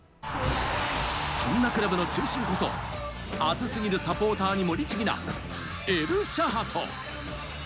そんなクラブの中心こそ、熱すぎるサポーターにも律儀なエルシャハト。